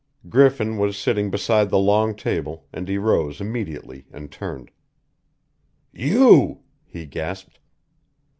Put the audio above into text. Griffin was sitting beside the long table, and he arose immediately and turned. "You!" he gasped.